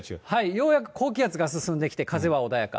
ようやく高気圧が進んできて風は穏やか。